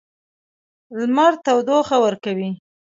لمر تودوخه ورکوي.